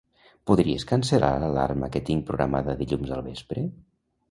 Podries cancel·lar l'alarma que tinc programada dilluns al vespre?